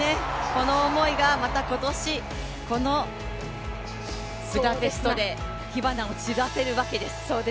この思いがまた今年このブダペストで火花を散らせるわけです。